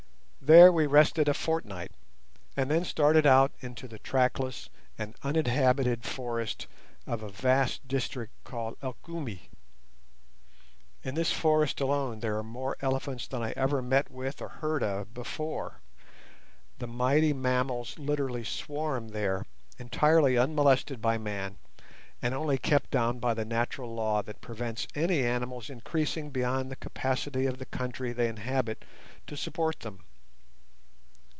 There we rested a fortnight, and then started out into the trackless and uninhabited forest of a vast district called Elgumi. In this forest alone there are more elephants than I ever met with or heard of before. The mighty mammals literally swarm there entirely unmolested by man, and only kept down by the natural law that prevents any animals increasing beyond the capacity of the country they inhabit to support them.